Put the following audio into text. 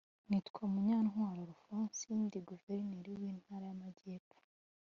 Nitwa Munyantwali Alphonse ndi Guverineri w’Intara y’Amajyepfo